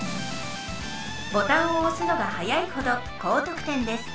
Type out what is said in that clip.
ボタンを押すのが早いほど高得点です。